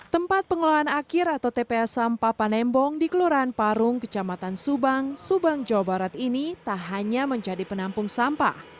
tempat pengelolaan akhir atau tpa sampah panembong di kelurahan parung kecamatan subang subang jawa barat ini tak hanya menjadi penampung sampah